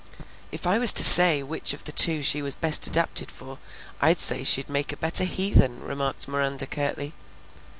"If I was to say which of the two she was best adapted for, I'd say she'd make a better heathen," remarked Miranda curtly.